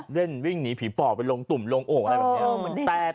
วิ่งหนีผีปอบไปลงตุ่มลงโอ่งอะไรแบบนี้